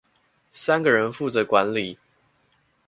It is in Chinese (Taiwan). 三個人負責管理